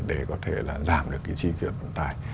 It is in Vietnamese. để có thể giảm được chi phiền vận tải